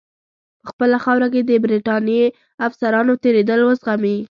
په خپله خاوره کې د برټانیې افسرانو تېرېدل وزغمي.